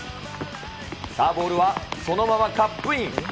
さあ、ボールはそのままカップイン。